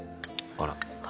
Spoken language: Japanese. あら。